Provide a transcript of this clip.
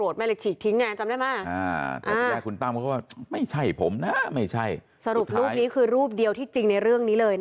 สรุปรูปนี้คือรูปเดียวที่จริงในเรื่องนี้เลย